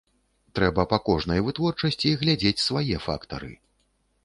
Трэба па кожнай вытворчасці глядзець свае фактары.